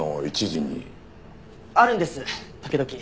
あるんです時々。